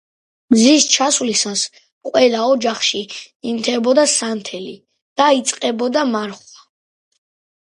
მზის ჩასვლისას ყველა ოჯახში ინთებოდა სანთელი და იწყებოდა მარხვა.